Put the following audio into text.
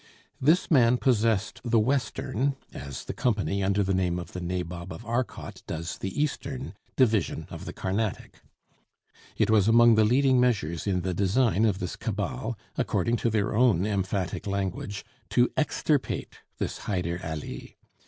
This man possessed the western, as the company under the name of the Nabob of Arcot does the eastern, division of the Carnatic. It was among the leading measures in the design of this cabal (according to their own emphatic language) to extirpate this Hyder Ali.